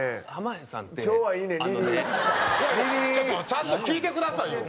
ちゃんと聞いてくださいよ。